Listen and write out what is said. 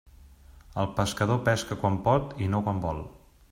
El pescador pesca quan pot i no quan vol.